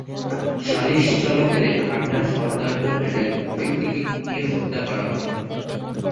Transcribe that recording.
সালিস চলাকালে ঠান্ডু সরদার নামের এক ব্যক্তিকে কুপিয়ে হত্যা করা হয়।